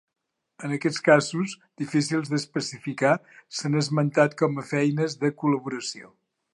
En aquests casos, difícils d'especificar s'han esmentat com a feines de col·laboració.